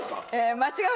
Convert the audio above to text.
間違う？